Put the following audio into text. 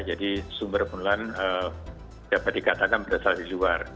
jadi sumber kebenaran dapat dikatakan berasal di luar